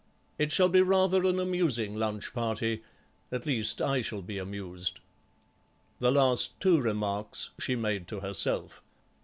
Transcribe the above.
It shall be rather an amusing lunch party. At least, I shall be amused." The last two remarks she made to herself.